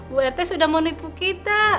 bu rt sudah menipu kita